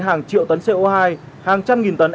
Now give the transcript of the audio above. hàng triệu tấn co hai hàng trăm nghìn tấn